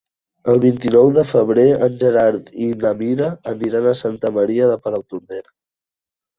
El vint-i-nou de febrer en Gerard i na Mira aniran a Santa Maria de Palautordera.